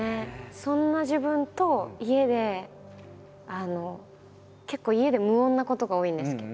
そんな自分と家で結構家で無音なことが多いんですけど。